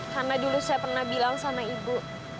karena dulu saya pernah bilang sama ibu